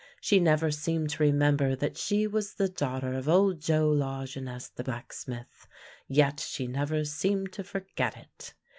She never seemed to remember that she was the daughter of old Joe Lajeunesse the blacksmith, yet she never seemed to forget it.